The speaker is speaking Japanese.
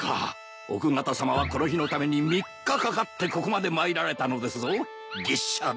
奥方さまはこの日のために３日かかってここまで参られたのですぞ牛車で。